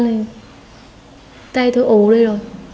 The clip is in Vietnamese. thì tay tôi ủ đi rồi